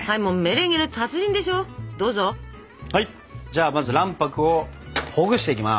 じゃあまず卵白をほぐしていきます。